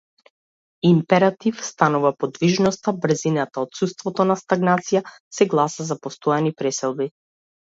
Императив станува подвижноста, брзината, отуството на стагнација, се гласа за постојани преселби.